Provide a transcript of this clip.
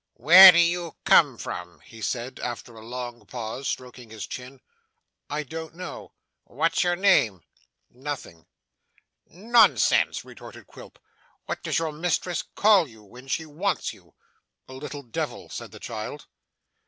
'Where do you come from?' he said after a long pause, stroking his chin. 'I don't know.' 'What's your name?' 'Nothing.' 'Nonsense!' retorted Quilp. 'What does your mistress call you when she wants you?' 'A little devil,' said the child.